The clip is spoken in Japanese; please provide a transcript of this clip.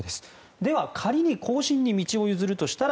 では、仮に後進に道を譲るにしたら